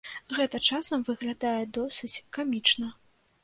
Гэта часам выглядае досыць камічна.